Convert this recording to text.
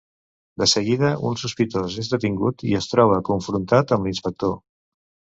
De seguida, un sospitós és detingut i es troba confrontat amb l'inspector.